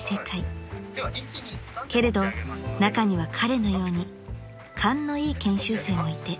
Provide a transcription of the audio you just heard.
［けれど中には彼のように勘のいい研修生もいて］